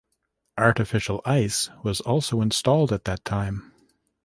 Artificial ice was also installed at that time.